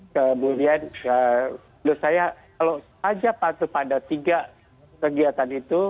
kemudian menurut saya kalau saja patuh pada tiga kegiatan itu